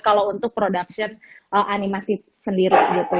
kalau untuk production animasi sendiri gitu